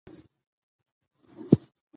شفافیت د باور د پیاوړتیا سبب کېږي.